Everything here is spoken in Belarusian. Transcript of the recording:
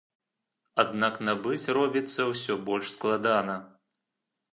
Аднак набыць робіцца ўсё больш складана.